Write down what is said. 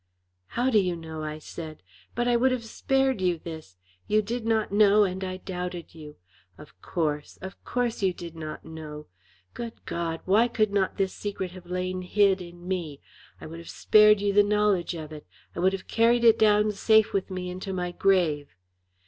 "How do you know?" I said. "But I would have spared you this! You did not know, and I doubted you. Of course of course you did not know. Good God! Why could not this secret have lain hid in me? I would have spared you the knowledge of it. I would have carried it down safe with me into my grave."